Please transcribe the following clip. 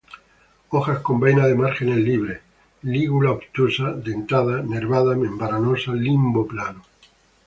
Hojas con vaina de márgenes libres; lígula obtusa, dentada, nervada, membranosa; limbo plano.